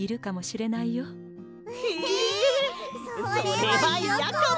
えそれはいやかも！